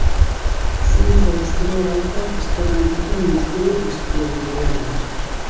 Zuntz haustura dauka ezker hankako muskulu iskiotibialean.